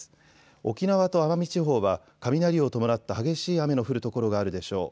沖縄と奄美地方は雷を伴った激しい雨の降る所があるでしょう。